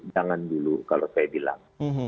jangan dulu kalau saya bilang